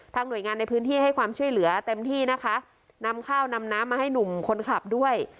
หน่วยงานในพื้นที่ให้ความช่วยเหลือเต็มที่นะคะนำข้าวนำน้ำมาให้หนุ่มคนขับด้วย